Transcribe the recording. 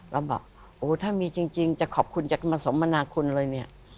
แล้วบอกโอ้ถ้ามีจริงจะขอบคุณจะมาสมมนาคุณอะไรเนี่ย